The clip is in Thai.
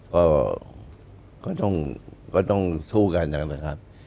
ก็ต้องที่ง่านกันครับ